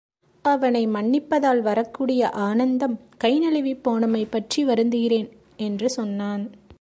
அவனை மன்னிப்பதால் வரக்கூடிய ஆனந்தம் கைநழுவிப் போனமைபற்றி வருந்துகிறேன்! என்று சொன்னான்.